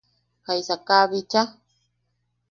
¿Jaisa kaa bicha?